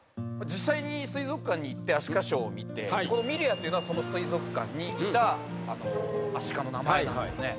実際に水族館に行ってアシカショーを見てこのミリアっていうのはその水族館にいたアシカの名前なんですね。